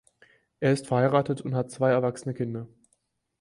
Er ist verheiratet und hat zwei erwachsene Kinder.